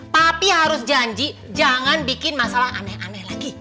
tapi harus janji jangan bikin masalah aneh aneh lagi